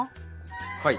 はい。